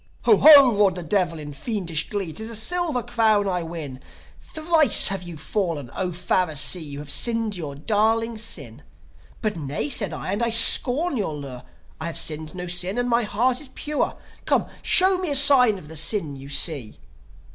"Ho, ho!" roared the Devil in fiendish glee. "'Tis a silver crown I win! Thrice have you fallen! 0 Pharisee, You have sinned your darling sin!" "But, nay," said I; "and I scorn your lure. I have sinned no sin, and my heart is pure. Come, show me a sign of the sin you see!"